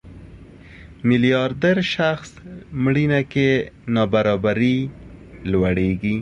میلیاردر شخص مړینه کې نابرابري لوړېږي.